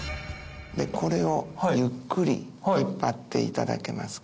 これをゆっくり引っ張っていただけますか？